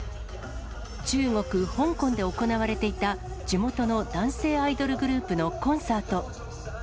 中国・香港で行われていた地元の男性アイドルグループのコンサート。